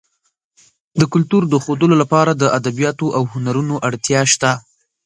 د کلتور د ښودلو لپاره د ادبیاتو او هنرونو اړتیا شته.